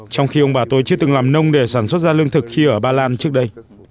trong khi ông bà tôi chưa từng làm nông để sản xuất ra lương thực khi ở ba lan trước đây